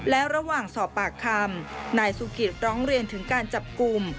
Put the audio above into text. และระหว่างสอบปากคำนายสุกิตร้องเรียนถึงการจับกลุ่ม